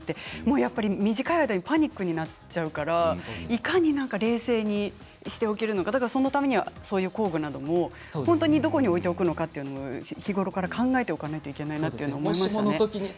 やっぱりパニックになっちゃうからいかに冷静にしておけるのかそのためにはそういう工具などもどこに置いておくのか、日頃から考えないといけませんね。